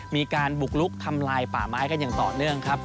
มีการบุกลุกทำลายป่าไม้กันอย่างต่อเนื่องครับ